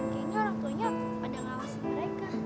kayaknya orang tuanya pada ngawasi mereka